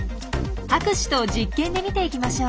博士と実験で見ていきましょう。